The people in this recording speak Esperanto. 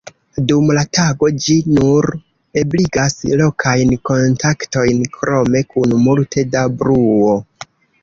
Dum la tago ĝi nur ebligas lokajn kontaktojn krome kun multe da bruo.